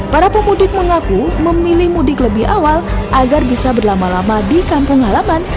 para pemudik mengaku memilih mudik lebih awal agar bisa berlama lama di kampung halaman